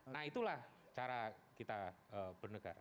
nah itulah cara kita bernegara